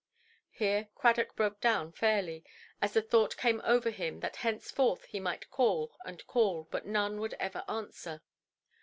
Here Cradock broke down fairly, as the thought came over him that henceforth he might call and call, but none would ever answer.